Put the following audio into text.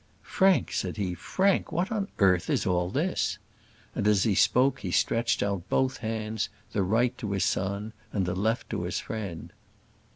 "Frank," said he "Frank, what on earth is all this?" and as he spoke he stretched out both hands, the right to his son and the left to his friend.